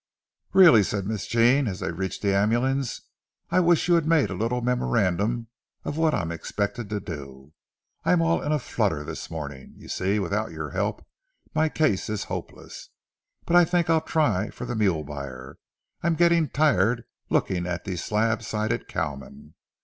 "Really," said Miss Jean, as they reached the ambulance, "I wish you had made a little memorandum of what I'm expected to do—I'm all in a flutter this morning. You see, without your help my case is hopeless. But I think I'll try for the mule buyer. I'm getting tired looking at these slab sided cowmen.